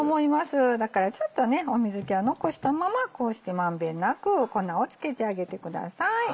だからちょっと水気は残したままこうして満遍なく粉を付けてあげてください。